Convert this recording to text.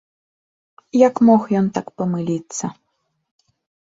Як мог ён так памыліцца?